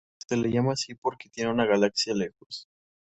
Se le llama así porque tiene una galaxia lejos.